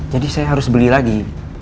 jadi saya harus beli lagi